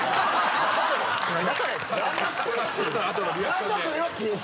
「何だそれ」は禁止。